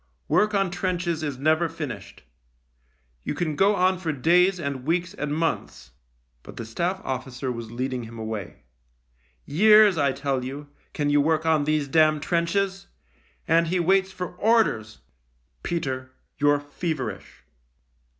Work on trenches is never finished. THE LIEUTENANT 27 You can go on for days and weeks and months " But the Staff officer was lead ing him away. " Years, I tell you, can you work on these d trenches : and he waits for orders !"" Peter, you're feverish."